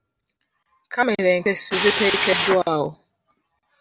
Kkamera enkessi ziteekeddwawo.